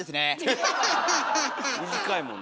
短いもんね。